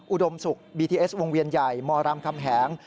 อุดมศุกร์บีทีเอสวงเวียนใหญ่มรามคำแหง